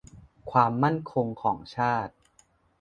ความมั่นคงของชาติ